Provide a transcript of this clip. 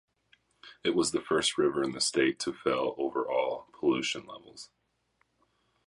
It was the first river in the state to fail overall pollution limits.